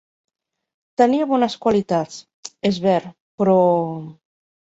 Tenia bones qualitats, és ver, però...